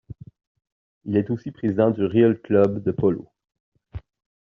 Il est aussi président du Real Club de Polo.